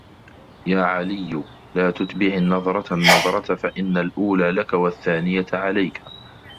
يَا عَلِيُّ لَا تُتْبِعْ النَّظْرَةَ النَّظْرَةَ فَإِنَّ الْأُولَى لَك وَالثَّانِيَةَ عَلَيْك